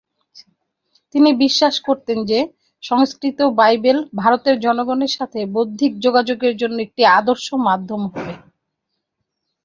তিনি বিশ্বাস করতেন যে সংস্কৃত বাইবেল ভারতের জনগণের সাথে বৌদ্ধিক যোগাযোগের জন্য একটি আদর্শ মাধ্যম হবে।